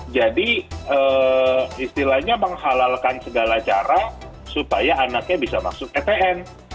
jadi istilahnya menghalalkan segala cara supaya anaknya bisa masuk ptn